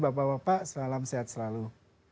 bapak bapak salam sehat selalu